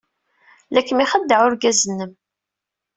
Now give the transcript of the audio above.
La kem-ixeddeɛ urgaz-nnem.